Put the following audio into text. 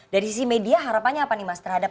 dari sisi media harapannya apa nih mas terhadap